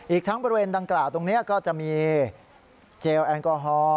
อีกทั้งบริเวณดังกล่าวตรงนี้ก็จะมีเจลแอลกอฮอล์